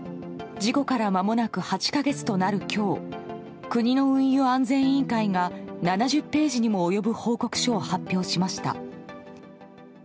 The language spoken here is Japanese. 事故からまもなく８か月となる今日国の運輸安全委員会が７０ページにも及ぶ報告書を発表しました。